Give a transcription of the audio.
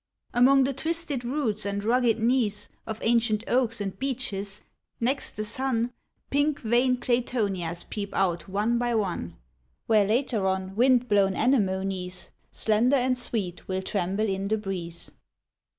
Among the twisted roots and rugged knees Of ancient oaks and beeches, next the sun, Pink veined claytonias peep out one by one, Where later on, wind blown anemones, Slender and sweet will tremble in the breeze.